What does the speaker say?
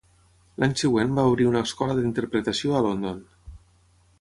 L'any següent va obrir una escola d'interpretació a London.